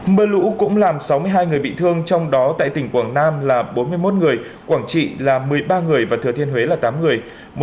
mưa lũ cũng làm sáu mươi hai người bị thương trong đó tại tỉnh quảng nam là bốn mươi một người quảng trị là một mươi ba người và thừa thiên huế là tám người